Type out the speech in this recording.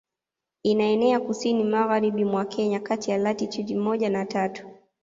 Inaenea kusini magharibi mwa Kenya kati ya latitude moja na tatu